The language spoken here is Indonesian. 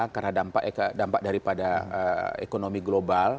karena dampak daripada ekonomi global